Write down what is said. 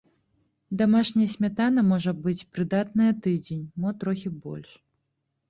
Дамашняя смятана можа быць прыдатная тыдзень, мо трохі больш.